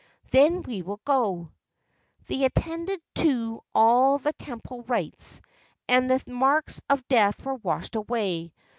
Then we will go." They attended to all the temple rites, and the marks of death were washed away.